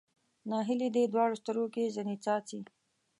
ناهیلي دې دواړو سترګو ځنې څاڅي